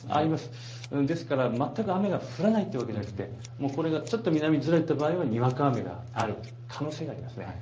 ですから全く雨が降らないというわけではなくて、これがちょっと南にずれた場合はにわか雨がある可能性があります。